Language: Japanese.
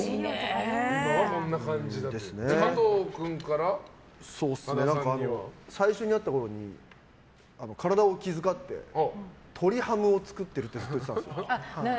加藤君から羽田さんには？最初に会ったころに体を気遣って鶏ハムを作ってるって言ってたんですよ。